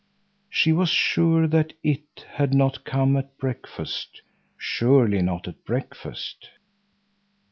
She was sure that "it" had not come at breakfast, surely not at breakfast.